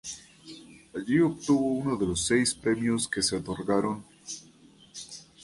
Allí obtuvo uno de los seis premios que se otorgaron.